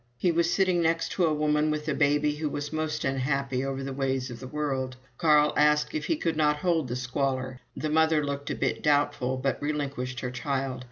He was sitting next to a woman with a baby who was most unhappy over the ways of the world. Carl asked if he could not hold the squaller. The mother looked a bit doubtful, but relinquished her child.